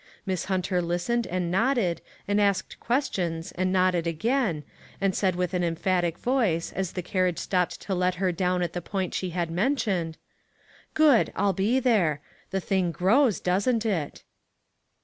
Miss Hunter listened and nodded and asked ques tions and nodded again, and said with an emphatic ^oice, as the carriage stopped to set her down at the point she had men tioned :" Good ; I'll be there. The thing grows, doesn't it?"